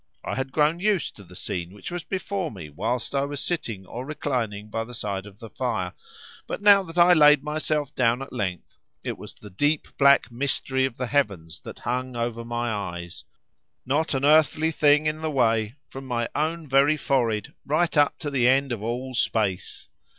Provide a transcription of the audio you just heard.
I had grown used to the scene which was before me whilst I was sitting or reclining by the side of the fire, but now that I laid myself down at length it was the deep black mystery of the heavens that hung over my eyes—not an earthly thing in the way from my own very forehead right up to the end of all space.